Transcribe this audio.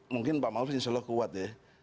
mungkin pak maruf insya allah kuat ya